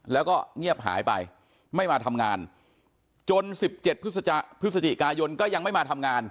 แล้วก็เงียบหายไปไม่มาทำงานจน๑๗พฤศจิกายนก็ยังไม่มาทำงาน